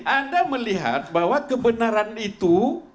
anda melihat bahwa kebenaran itu